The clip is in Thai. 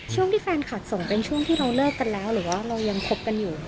ช่วงที่แฟนคลับส่งเป็นช่วงที่เราเลิกกันแล้วหรือว่าเรายังคบกันอยู่